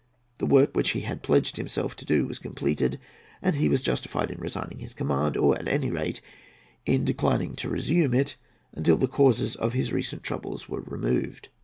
The work which he had pledged himself to do was completed, and he was justified in resigning his command, or at any rate in declining to resume it until the causes of his recent troubles were removed.